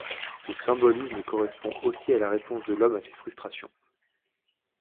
Ce symbolisme correspond aussi à la réponse de l'homme à ses frustrations.